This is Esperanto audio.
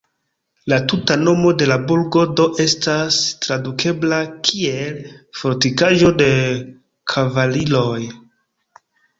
La tuta nomo de la burgo do estas tradukebla kiel "fortikaĵo de kavaliroj".